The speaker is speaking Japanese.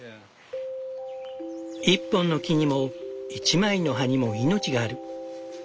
一本の木にも一枚の葉にも命がある。